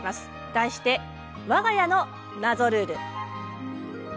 題して、わが家の謎ルール。